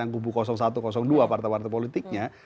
kubu satu dua parta parta politiknya